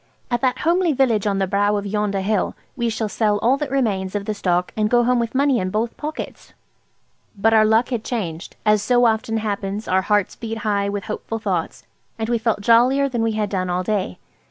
"At that homely village on the brow of yonder hill we shall sell all that remains of the stock, and go home with money in both pockets." But our luck had changed. As so often happens, our hearts beat high with hopeful thoughts, and we felt jollier than we had done all day.